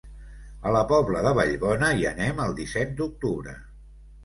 A la Pobla de Vallbona hi anem el disset d'octubre.